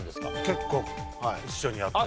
結構一緒にやってます。